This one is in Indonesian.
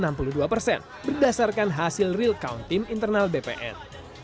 mengeluarkan hasil real count tim internal bpn